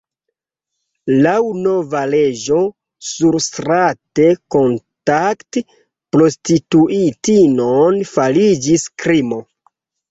Laŭ nova leĝo surstrate kontakti prostituitinon fariĝis krimo.